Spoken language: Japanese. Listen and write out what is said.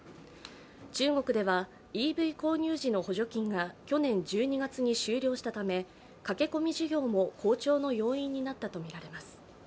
中国ではＥＶ購入時の補助金が去年１２月に終了したため駆け込み需要も好調の要因になったとみられます。